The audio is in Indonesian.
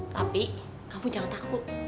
tapi kamu jangan takut